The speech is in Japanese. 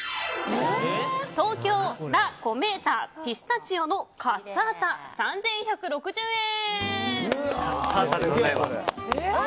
東京ラ・コメータピスタチオのカッサータ３１６０円。